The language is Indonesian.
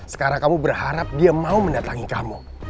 sekarang kamu berharap dia mau mendatangi kamu